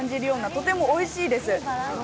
とてもおいしいです。